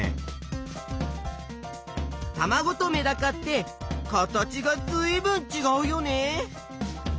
たまごとメダカって形がずいぶんちがうよね。